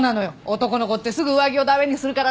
男の子ってすぐ上着を駄目にするからね。